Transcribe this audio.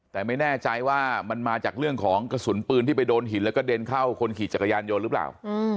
แต่ไม่แน่ใจว่ามันมาจากเรื่องของกระสุนปืนที่ไปโดนหินแล้วก็เด็นเข้าคนขี่จักรยานยนต์หรือเปล่า